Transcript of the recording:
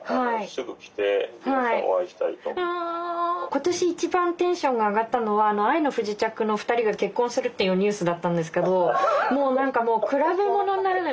今年一番テンションが上がったのは「愛の不時着」の２人が結婚するっていうニュースだったんですけどもう何かもう比べものにならない。